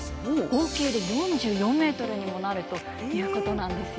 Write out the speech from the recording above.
合計で４４メートルにもなるということなんですよ。